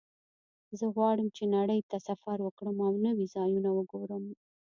زه غواړم چې نړۍ ته سفر وکړم او نوي ځایونه وګورم